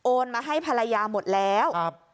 โอนมาให้ภรรยาหมดแล้วครับ